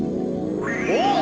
おっ！